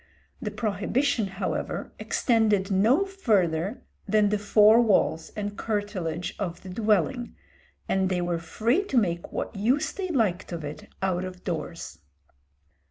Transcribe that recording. The prohibition, however, extended no farther than the four walls and curtilage of the dwelling, and they were free to make what use they liked of it out of doors.